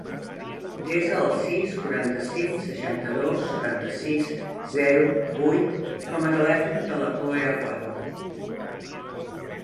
Desa el sis, quaranta-cinc, seixanta-dos, setanta-sis, zero, vuit com a telèfon de la Cloè Aguado.